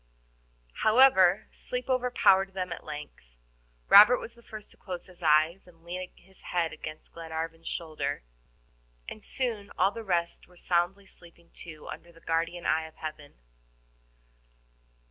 However, sleep overpowered them at length. Robert was the first to close his eyes and lean his head against Glenarvan's shoulder, and soon all the rest were soundly sleeping too under the guardian eye of Heaven.